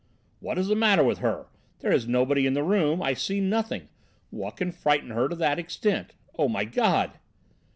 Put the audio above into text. "What's the matter with her? There is nobody in the room, I see nothing! What can frighten her to that extent? Oh, my God!"